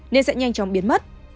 nên sẽ nhanh chóng biến mất